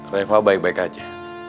reva baik baik aja